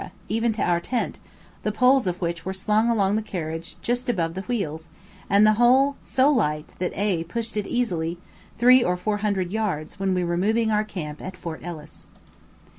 even to our tent, the poles of which were slung along the carriage just above the wheels, and the whole so light that A pushed it easily three or four hundred yards when we were moving our camp at Fort Ellice.